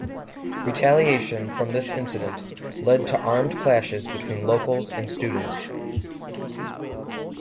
Retaliation for this incident led to armed clashes between locals and students.